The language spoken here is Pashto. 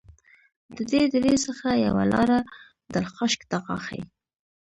د دې درې څخه یوه لاره دلخشک دغاښي